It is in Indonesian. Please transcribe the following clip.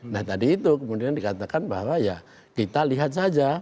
nah tadi itu kemudian dikatakan bahwa ya kita lihat saja